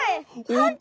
ほんと！？